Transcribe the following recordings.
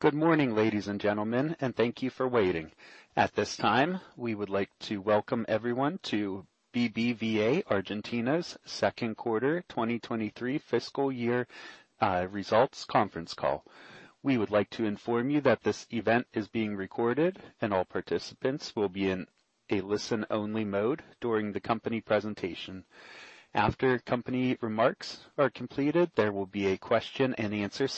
Good morning, ladies and gentlemen, and thank you for waiting. At this time, we would like to welcome everyone to BBVA Argentina's second quarter 2023 fiscal year results conference call. We would like to inform you that this event is being recorded, and all participants will be in a listen-only mode during the company presentation. After company remarks are completed, there will be a question and answer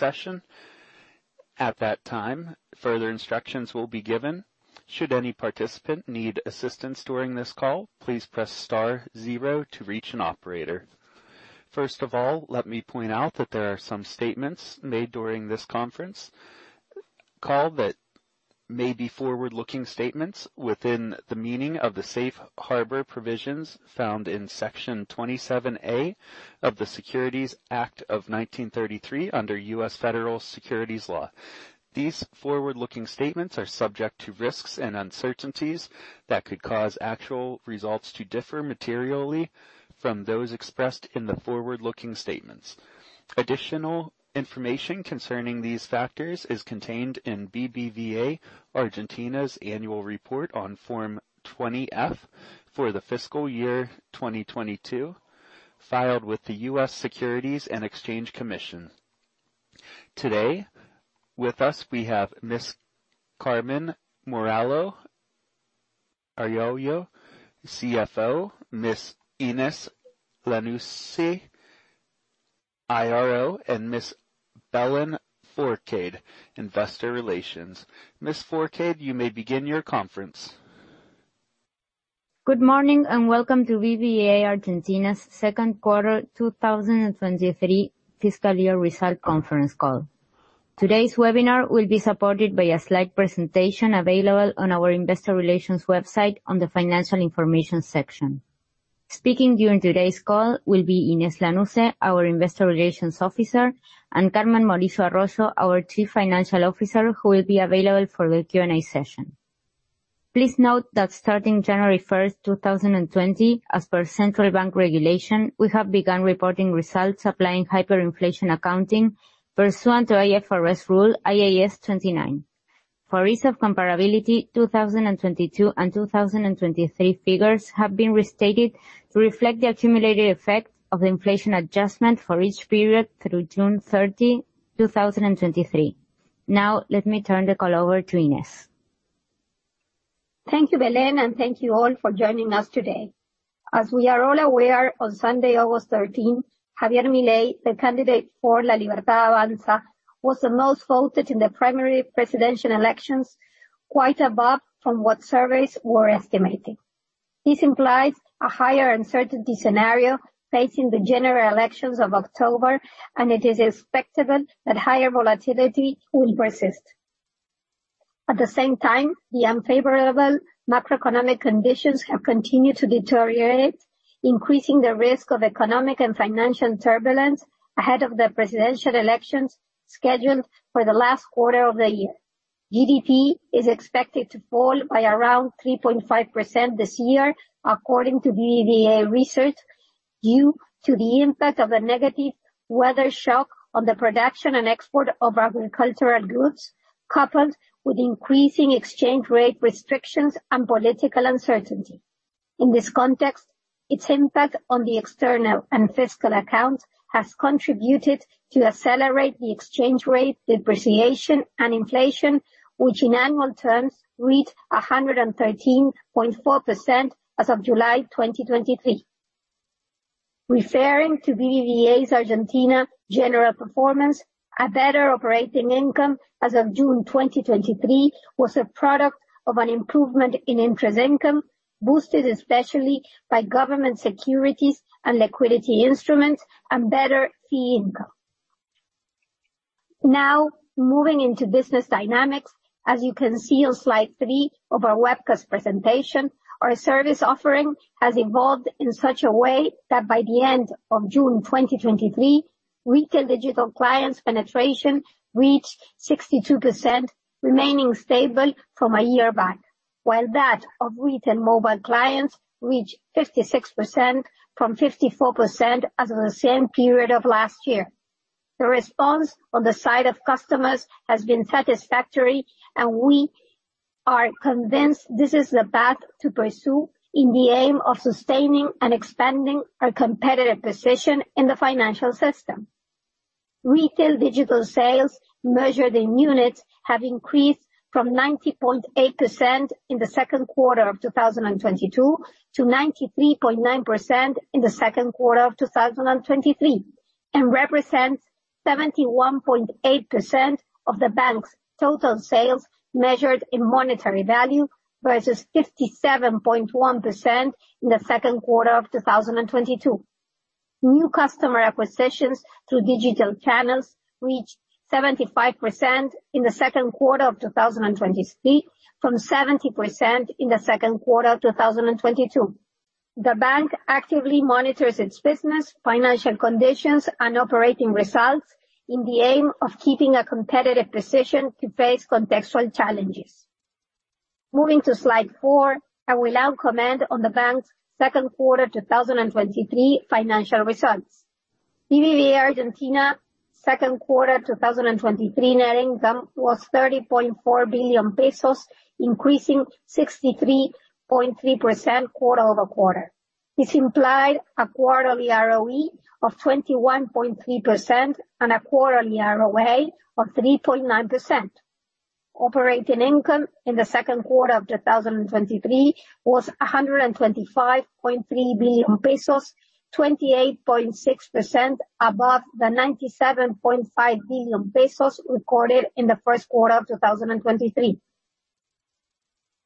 session. At that time, further instructions will be given. Should any participant need assistance during this call, please press star zero to reach an operator. First of all, let me point out that there are some statements made during this conference call that may be forward-looking statements within the meaning of the safe harbor provisions found in Section 27A of the Securities Act of 1933 under U.S. Federal Securities Law. These forward-looking statements are subject to risks and uncertainties that could cause actual results to differ materially from those expressed in the forward-looking statements. Additional information concerning these factors is contained in BBVA Argentina's annual report on Form 20-F for the fiscal year 2022, filed with the U.S. Securities and Exchange Commission. Today, with us, we have Ms. Carmen Morillo Arroyo, CFO, Ms. Inés Lanusse, IRO, and Ms. Belén Fourcade, Investor Relations. Ms. Fourcade, you may begin your conference. Good morning, and welcome to BBVA Argentina's second quarter 2023 fiscal year results conference call. Today's webinar will be supported by a slide presentation available on our investor relations website on the financial information section. Speaking during today's call will be Inés Lanusse, our Investor Relations Officer, and Carmen Morillo Arroyo, our Chief Financial Officer, who will be available for the Q&A session. Please note that starting January 1, 2020, as per central bank regulation, we have begun reporting results applying hyperinflation accounting pursuant to IFRS rule IAS 29. For ease of comparability, 2022 and 2023 figures have been restated to reflect the accumulated effect of the inflation adjustment for each period through June 30, 2023. Now, let me turn the call over to Inés. Thank you, Belén, and thank you all for joining us today. As we are all aware, on Sunday, August 13, Javier Milei, the candidate for La Libertad Avanza, was the most voted in the primary presidential elections, quite above from what surveys were estimating. This implies a higher uncertainty scenario facing the general elections of October, and it is expectable that higher volatility will persist. At the same time, the unfavorable macroeconomic conditions have continued to deteriorate, increasing the risk of economic and financial turbulence ahead of the presidential elections scheduled for the last quarter of the year. GDP is expected to fall by around 3.5% this year, according to BBVA Research, due to the impact of the negative weather shock on the production and export of agricultural goods, coupled with increasing exchange rate restrictions and political uncertainty. In this context, its impact on the external and fiscal account has contributed to accelerate the exchange rate depreciation and inflation, which in annual terms, reached 113.4% as of July 2023. Referring to BBVA Argentina's general performance, a better operating income as of June 2023 was a product of an improvement in interest income, boosted especially by government securities and liquidity instruments and better fee income. Now, moving into business dynamics, as you can see on slide 3 of our webcast presentation, our service offering has evolved in such a way that by the end of June 2023, retail digital clients penetration reached 62%, remaining stable from a year back. While that of retail mobile clients reached 56% from 54% as of the same period of last year. The response on the side of customers has been satisfactory, and we are convinced this is the path to pursue in the aim of sustaining and expanding our competitive position in the financial system. Retail digital sales, measured in units, have increased from 90.8% in the second quarter of 2022 to 93.9% in the second quarter of 2023, and represents 71.8% of the bank's total sales, measured in monetary value, versus 57.1% in the second quarter of 2022. New customer acquisitions through digital channels reached 75% in the second quarter of 2023, from 70% in the second quarter of 2022. The bank actively monitors its business, financial conditions, and operating results in the aim of keeping a competitive position to face contextual challenges. Moving to slide 4, I will now comment on the bank's second quarter 2023 financial results. BBVA Argentina second quarter 2023 net income was 30.4 billion pesos, increasing 63.3% quarter-over-quarter. This implied a quarterly ROE of 21.3% and a quarterly ROA of 3.9%. Operating income in the second quarter of 2023 was 125.3 billion pesos, 28.6% above the 97.5 billion pesos recorded in the first quarter of 2023.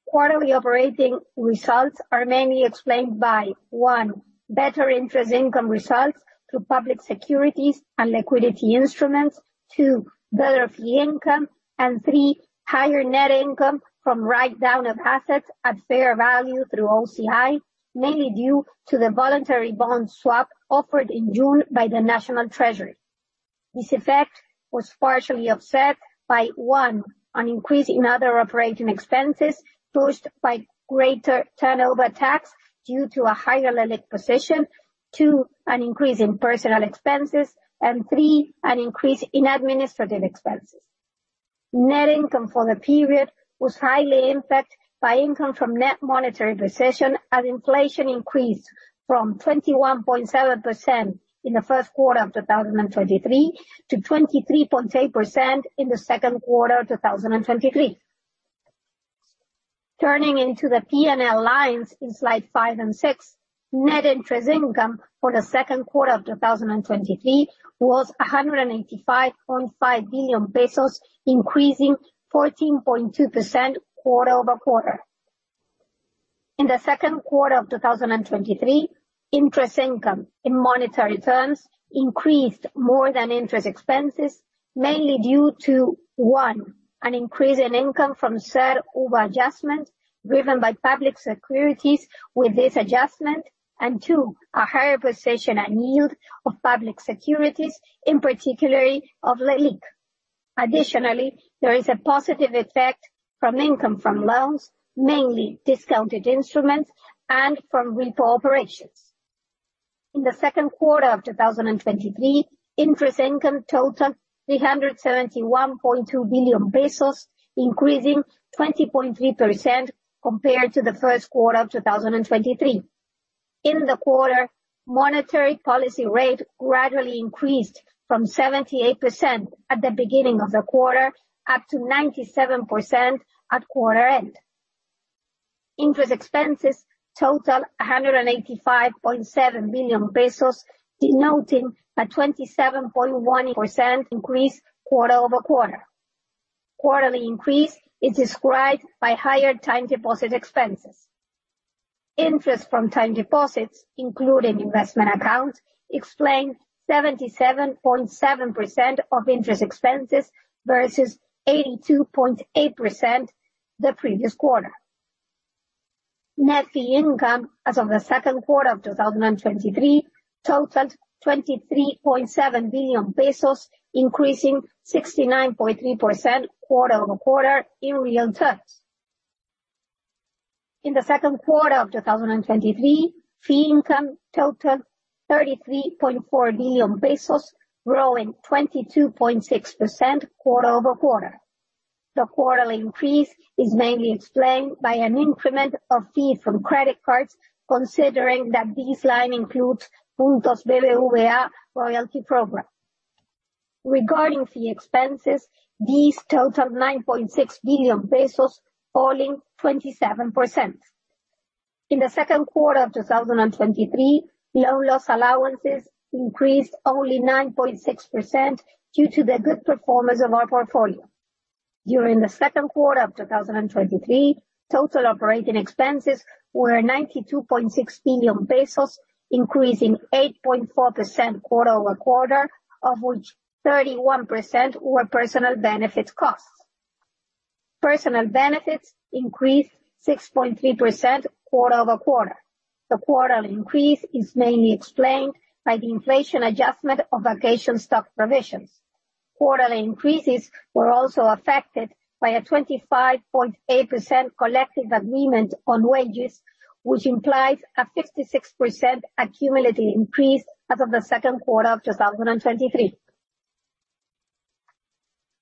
Quarterly operating results are mainly explained by, one, better interest income results through public securities and liquidity instruments. Two, better fee income, and three, higher net income from write=down of assets at fair value through OCI, mainly due to the voluntary bond swap offered in June by the National Treasury. This effect was partially offset by, one, an increase in other operating expenses, pushed by greater turnover tax due to a higher LELIQ position. Two, an increase in personnel expenses, and three, an increase in administrative expenses. Net income for the period was highly impacted by income from net monetary position, as inflation increased from 21.7% in the first quarter of 2023 to 23.8% in the second quarter of 2023. Turning to the P&L lines in slide 5 and 6, net interest income for the second quarter of 2023 was ARS 185.5 billion, increasing 14.2% quarter-over-quarter. In the second quarter of 2023, interest income in monetary terms increased more than interest expenses, mainly due to, one, an increase in income from CER/UVA adjustment, driven by public securities with this adjustment. And two, a higher position and yield of public securities, in particular, of LELIQ. Additionally, there is a positive effect from income from loans, mainly discounted instruments and from repo operations. In the second quarter of 2023, interest income totaled 371.2 billion pesos, increasing 20.3% compared to the first quarter of 2023. In the quarter, monetary policy rate gradually increased from 78% at the beginning of the quarter, up to 97% at quarter end. Interest expenses total 185.7 billion pesos, denoting a 27.1% increase quarter over quarter. Quarterly increase is described by higher time deposit expenses. Interest from time deposits, including investment accounts, explain 77.7% of interest expenses versus 82.8% the previous quarter. Net fee income as of the second quarter of 2023 totaled 23.7 billion pesos, increasing 69.3% quarter over quarter in real terms. In the second quarter of 2023, fee income totaled 33.4 billion pesos, growing 22.6% quarter over quarter. The quarterly increase is mainly explained by an increment of fee from credit cards, considering that this line includes Puntos BBVA royalty program. Regarding fee expenses, these totaled 9.6 billion pesos, falling 27%. In the second quarter of 2023, loan loss allowances increased only 9.6% due to the good performance of our portfolio. During the second quarter of 2023, total operating expenses were 92.6 billion pesos, increasing 8.4% quarter-over-quarter, of which 31% were personnel benefits costs. Personal benefits increased 6.3% quarter-over-quarter. The quarterly increase is mainly explained by the inflation adjustment of vacation stock provisions. Quarterly increases were also affected by a 25.8% collective agreement on wages, which implies a 56% accumulative increase as of the second quarter of 2023.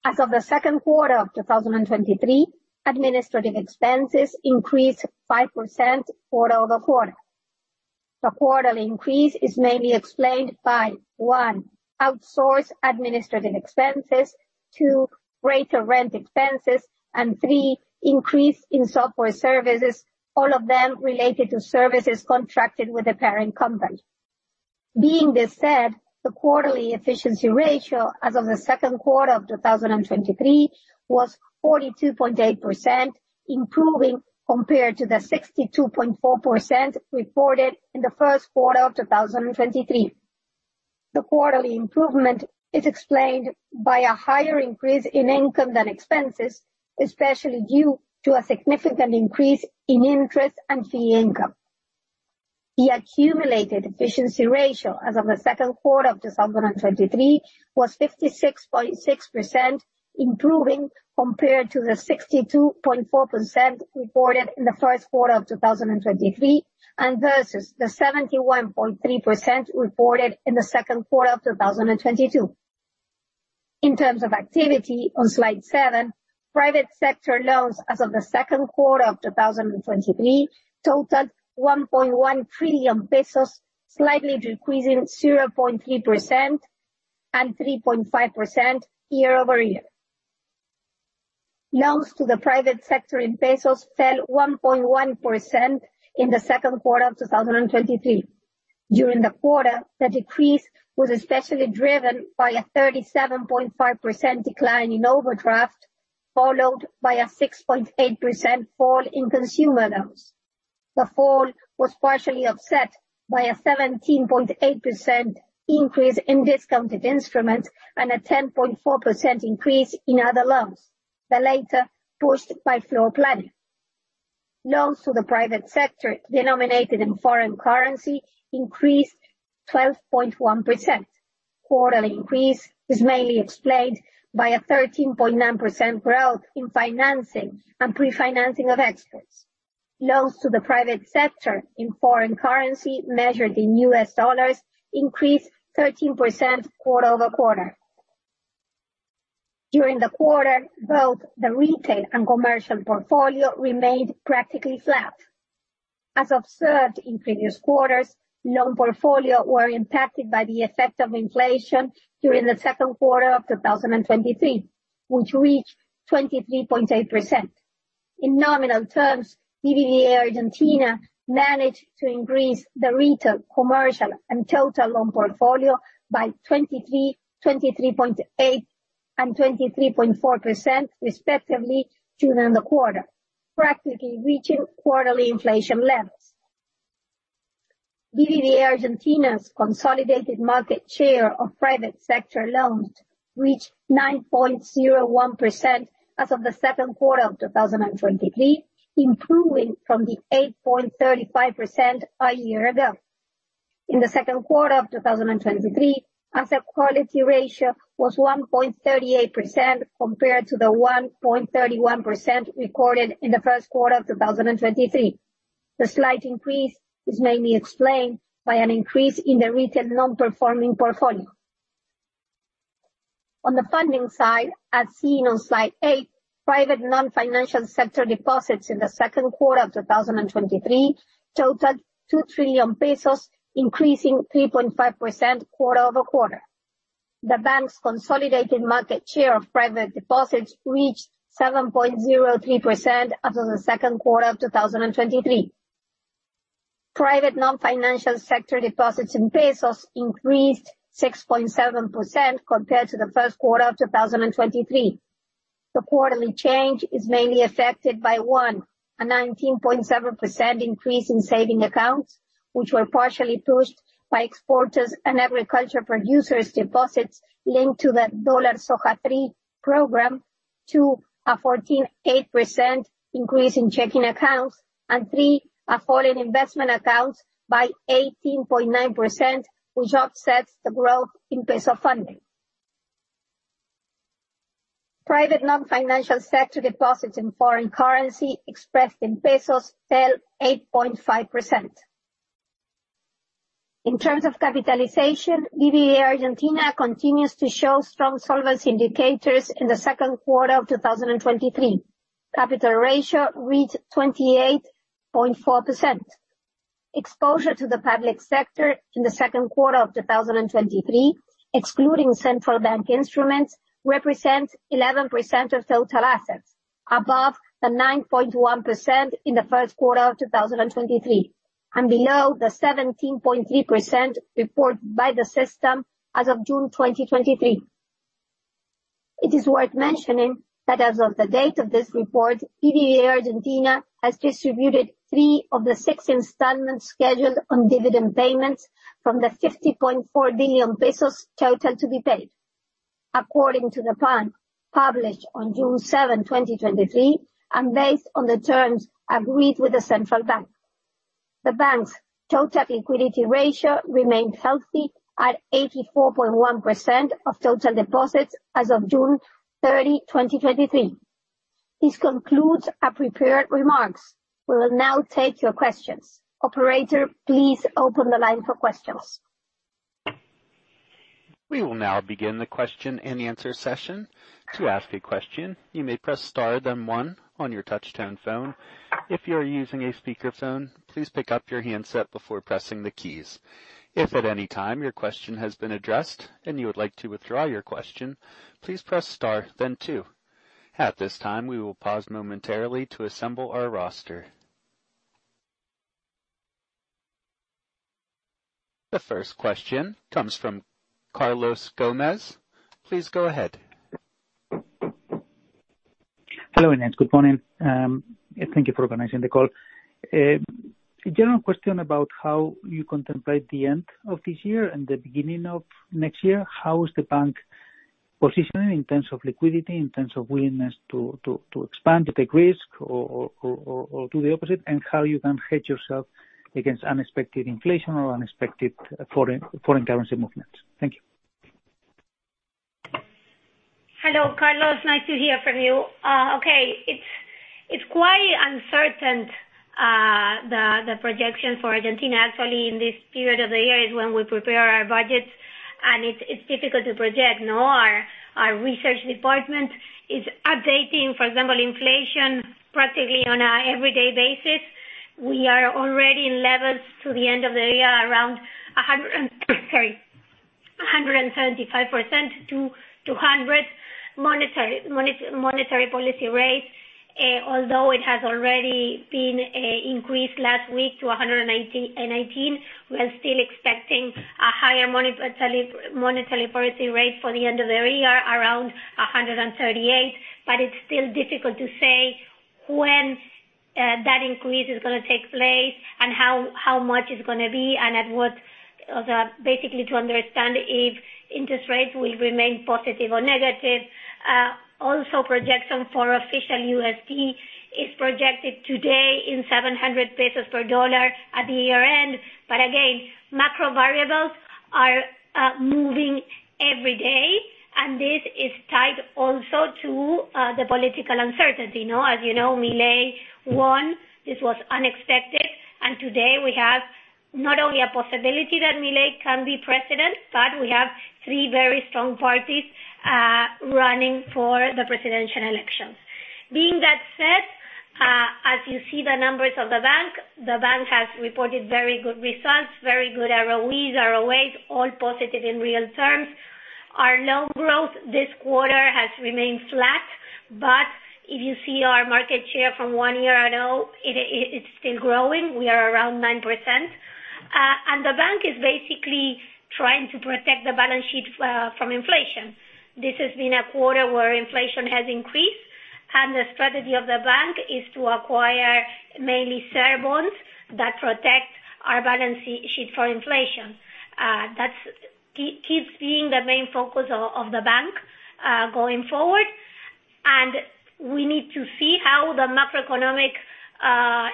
As of the second quarter of 2023, administrative expenses increased 5% quarter-over-quarter. The quarterly increase is mainly explained by, one, outsourced administrative expenses, two, greater rent expenses, and three, increase in software services, all of them related to services contracted with the parent company. Being this said, the quarterly efficiency ratio as of the second quarter of 2023 was 42.8%, improving compared to the 62.4% reported in the first quarter of 2023. The quarterly improvement is explained by a higher increase in income than expenses, especially due to a significant increase in interest and fee income.... The accumulated efficiency ratio as of the second quarter of 2023 was 56.6%, improving compared to the 62.4% reported in the first quarter of 2023, and versus the 71.3% reported in the second quarter of 2022. In terms of activity, on slide seven, private sector loans as of the second quarter of 2023 totaled 1.1 trillion pesos, slightly decreasing 0.3% and 3.5% year-over-year. Loans to the private sector in pesos fell 1.1% in the second quarter of 2023. During the quarter, the decrease was especially driven by a 37.5% decline in overdraft, followed by a 6.8% fall in consumer loans. The fall was partially offset by a 17.8% increase in discounted instruments and a 10.4% increase in other loans, the latter pushed by floor planning. Loans to the private sector denominated in foreign currency increased 12.1%. Quarterly increase is mainly explained by a 13.9% growth in financing and pre-financing of exports. Loans to the private sector in foreign currency, measured in U.S. dollars, increased 13% quarter-over-quarter. During the quarter, both the retail and commercial portfolio remained practically flat. As observed in previous quarters, loan portfolio were impacted by the effect of inflation during the second quarter of 2023, which reached 23.8%. In nominal terms, BBVA Argentina managed to increase the retail, commercial, and total loan portfolio by 23, 23.8, and 23.4% respectively during the quarter, practically reaching quarterly inflation levels. BBVA Argentina's consolidated market share of private sector loans reached 9.01% as of the second quarter of 2023, improving from the 8.35% a year ago. In the second quarter of 2023, asset quality ratio was 1.38% compared to the 1.31% recorded in the first quarter of 2023. The slight increase is mainly explained by an increase in the retail non-performing portfolio. On the funding side, as seen on slide 8, private non-financial sector deposits in the second quarter of 2023 totaled 2 trillion pesos, increasing 3.5% quarter-over-quarter. The bank's consolidated market share of private deposits reached 7.03% after the second quarter of 2023. Private non-financial sector deposits in pesos increased 6.7% compared to the first quarter of 2023. The quarterly change is mainly affected by, one, a 19.7% increase in savings accounts, which were partially pushed by exporters and agriculture producers' deposits linked to the Dólar Soja 3 program. Two, a 14.8% increase in checking accounts. And three, a fall in investment accounts by 18.9%, which offsets the growth in peso funding. Private non-financial sector deposits in foreign currency expressed in pesos fell 8.5%. In terms of capitalization, BBVA Argentina continues to show strong solvency indicators in the second quarter of 2023. Capital ratio reached 28.4%. Exposure to the public sector in the second quarter of 2023, excluding central bank instruments, represents 11% of total assets, above the 9.1% in the first quarter of 2023, and below the 17.3% reported by the system as of June 2023. It is worth mentioning that as of the date of this report, BBVA Argentina has distributed 3 of the 6 installments scheduled on dividend payments from the 50.4 billion pesos total to be paid, according to the plan published on June 7, 2023, and based on the terms agreed with the central bank. The bank's total liquidity ratio remained healthy at 84.1% of total deposits as of June 30, 2023. This concludes our prepared remarks. We will now take your questions. Operator, please open the line for questions. We will now begin the question-and-answer session. To ask a question, you may press star, then one on your touchtone phone. If you are using a speakerphone, please pick up your handset before pressing the keys. If at any time your question has been addressed and you would like to withdraw your question, please press star then two. At this time, we will pause momentarily to assemble our roster. The first question comes from Carlos Gómez. Please go ahead. Hello, Inés. Good morning. Thank you for organizing the call. A general question about how you contemplate the end of this year and the beginning of next year. How is the bank positioning in terms of liquidity, in terms of willingness to expand, to take risk or do the opposite, and how you can hedge yourself against unexpected inflation or unexpected foreign currency movements? Thank you. Hello, Carlos, nice to hear from you. Okay, it's quite uncertain, the projection for Argentina. Actually, in this period of the year is when we prepare our budgets, and it's difficult to project, no? Our research department is updating, for example, inflation practically on an every day basis. We are already in levels to the end of the year, around 175%-200% monetary policy rates, although it has already been increased last week to 119%, we are still expecting a higher monetary policy rate for the end of the year, around 138%. But it's still difficult to say when that increase is gonna take place and how, how much it's gonna be, and at what, basically to understand if interest rates will remain positive or negative. Also projection for official USD is projected today in 700 pesos per dollar at the year-end. But again, macro variables are moving every day, and this is tied also to the political uncertainty, no? As you know, Milei won. This was unexpected, and today we have not only a possibility that Milei can be president, but we have three very strong parties running for the presidential elections. Being that said, as you see the numbers of the bank, the bank has reported very good results, very good ROEs, ROAs, all positive in real terms. Our loan growth this quarter has remained flat, but if you see our market share from one year ago, it's still growing. We are around 9%. The bank is basically trying to protect the balance sheet from inflation. This has been a quarter where inflation has increased, and the strategy of the bank is to acquire mainly CER bonds that protect our balance sheet for inflation. That keeps being the main focus of the bank going forward, and we need to see how the macroeconomic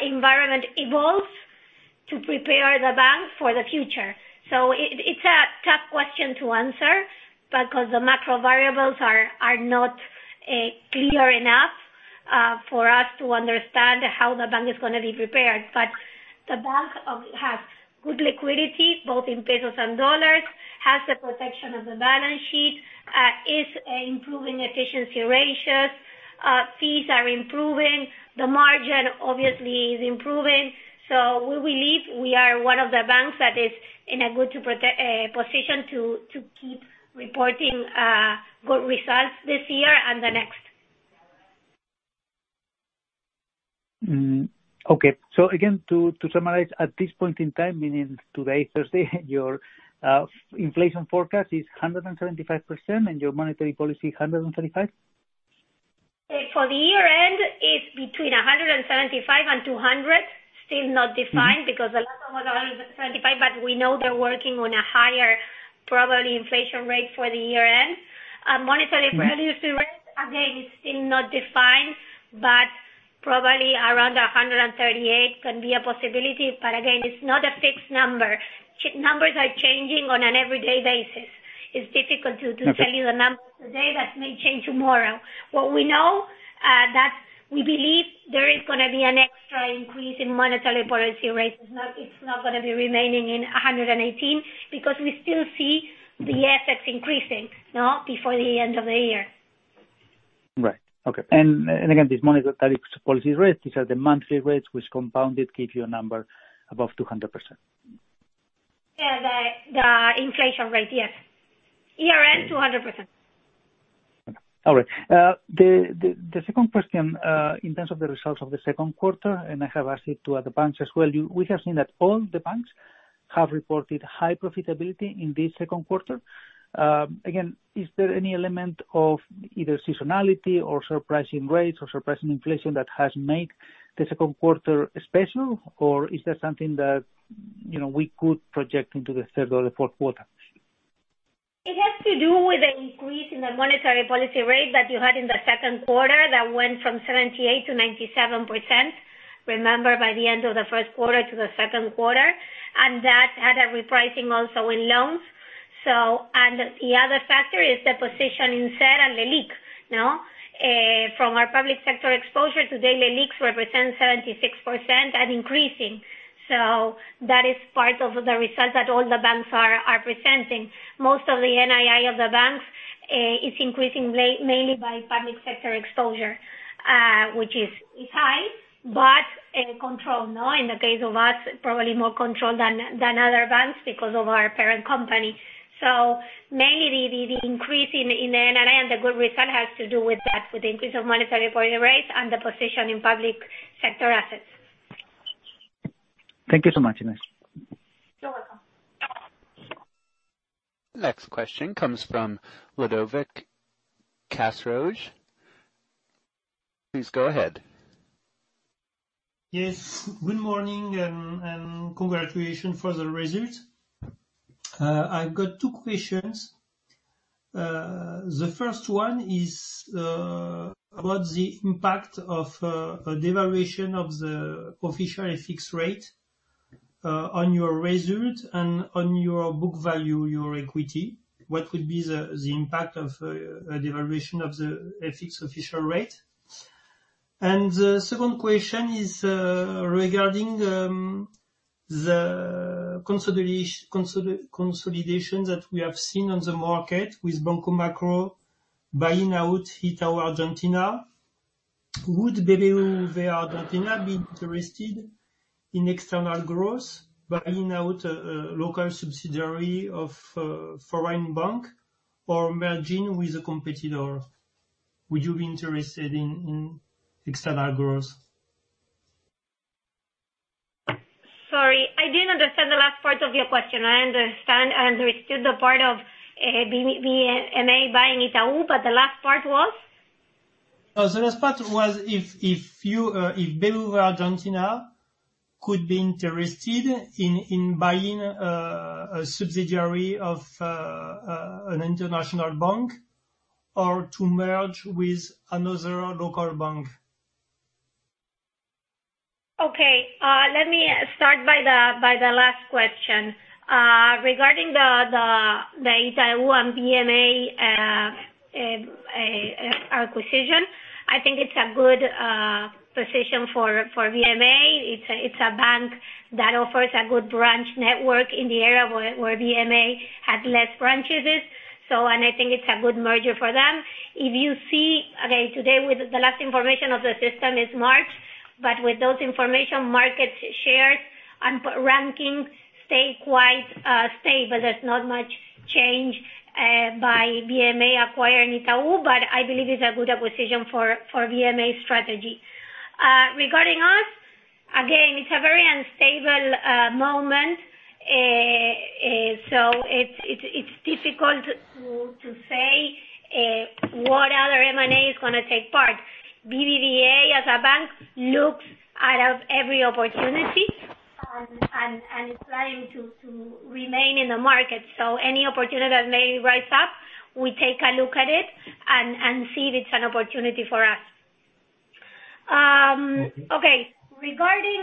environment evolves to prepare the bank for the future. It's a tough question to answer, because the macro variables are not clear enough for us to understand how the bank is gonna be prepared. But the bank has good liquidity, both in pesos and dollars, has the protection of the balance sheet, is improving efficiency ratios, fees are improving, the margin obviously is improving. So we believe we are one of the banks that is in a good position to keep reporting good results this year and the next. Okay. So again, to summarize, at this point in time, meaning today, Thursday, your inflation forecast is 175%, and your monetary policy 135? For the year-end, it's between 175 and 200. Still not defined. Because the last one was 175, but we know they're working on a higher probably inflation rate for the year-end. And monetary policy- -rate, again, it's still not defined, but probably around 138 can be a possibility. But again, it's not a fixed number. Numbers are changing on an every day basis. It's difficult to- Okay... to tell you the numbers today, that may change tomorrow. What we know, that we believe there is gonna be an extra increase in monetary policy rates. It's not, it's not gonna be remaining in 118, because we still see the assets increasing, no? Before the end of the year. Right. Okay. And again, these monetary policy rates, these are the monthly rates which, compounded, give you a number above 200%. Yeah, the inflation rate, yes. Year-end, 200%. All right. The second question, in terms of the results of the second quarter, and I have asked it to other banks as well, we have seen that all the banks have reported high profitability in this second quarter. Again, is there any element of either seasonality or surprising rates or surprising inflation that has made the second quarter special, or is there something that, you know, we could project into the third or the fourth quarter? It has to do with the increase in the monetary policy rate that you had in the second quarter, that went from 78% to 97%, remember, by the end of the first quarter to the second quarter, and that had a repricing also in loans. The other factor is the position in CER and LELIQ, no? From our public sector exposure to the LELIQs represents 76% and increasing. So that is part of the results that all the banks are presenting. Most of the NII of the banks is increasing mainly by public sector exposure, which is high, but controlled, no? In the case of us, probably more controlled than other banks because of our parent company. So mainly the increase in the NII and the good result has to do with that, with the increase of monetary policy rates and the position in public sector assets. Thank you so much, Inés. You're welcome. Next question comes from Ludovic Casroge. Please go ahead.... Yes, good morning and congratulations for the result. I've got two questions. The first one is about the impact of the devaluation of the official FX rate on your result and on your book value, your equity. What would be the impact of the devaluation of the FX official rate? And the second question is regarding the consolidation that we have seen on the market with Banco Macro buying out Itaú Argentina. Would BBVA Argentina be interested in external growth, buying out a local subsidiary of foreign bank or merging with a competitor? Would you be interested in external growth? Sorry, I didn't understand the last part of your question. I understood the part of BMA buying Itaú, but the last part was? The last part was if BBVA Argentina could be interested in buying a subsidiary of an international bank, or to merge with another local bank. Okay. Let me start by the last question. Regarding the Itaú and BMA acquisition, I think it's a good position for BMA. It's a bank that offers a good branch network in the area where BMA had less branches. So, I think it's a good merger for them. If you see, again, today with the last information of the system is March, but with those information, market shares and ranking stay quite stable. There's not much change by BMA acquiring Itaú, but I believe it's a good acquisition for BMA's strategy. Regarding us, again, it's a very unstable moment, so it's difficult to say what other M&A is gonna take part. BBVA, as a bank, looks out of every opportunity, and is planning to remain in the market. So any opportunity that may rise up, we take a look at it and see if it's an opportunity for us. Okay. Okay. Regarding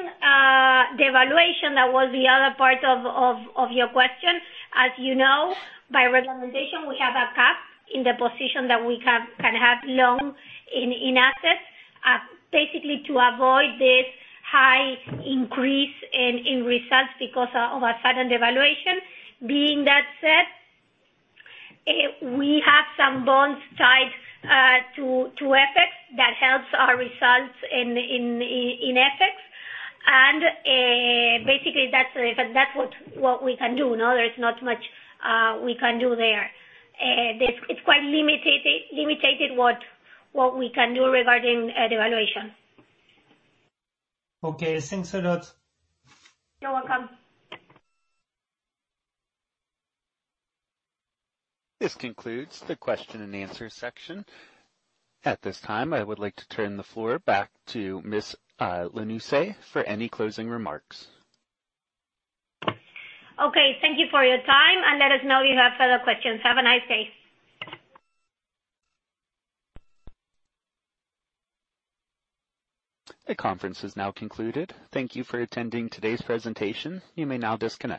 the evaluation, that was the other part of your question. As you know, by recommendation, we have a cap in the position that we can have loan in assets, basically to avoid this high increase in results because of a sudden devaluation. Being that said, we have some bonds tied to FX that helps our results in FX. And basically, that's the, that's what we can do, no? There is not much we can do there. There's—it's quite limited what we can do regarding devaluation. Okay. Thanks a lot. You're welcome. This concludes the question and answer section. At this time, I would like to turn the floor back to Ms. Lanusse for any closing remarks. Okay. Thank you for your time, and let us know if you have further questions. Have a nice day. The conference is now concluded. Thank you for attending today's presentation. You may now disconnect.